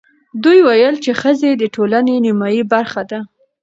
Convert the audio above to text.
دوی ویل چې ښځې د ټولنې نیمايي برخه ده.